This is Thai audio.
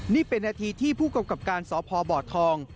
นี่เป็นนาทีที่ผู้กำกับการสพบทอง